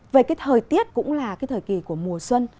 về cái thời tiết cũng là cái thời kỳ của mùa xuân